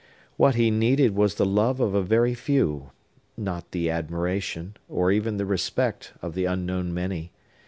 What he needed was the love of a very few; not the admiration, or even the respect, of the unknown many.